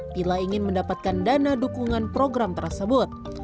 bila ingin mendapatkan dana dukungan program tersebut